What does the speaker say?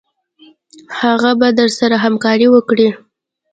هغه به درسره همکاري وکړي.